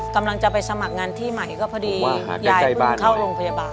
กำลังจะไปสมัครงานที่ใหม่ก็พอดียายเพิ่งเข้าโรงพยาบาล